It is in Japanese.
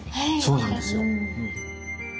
そうなんですよ。